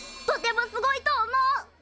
とてもすごいと思う。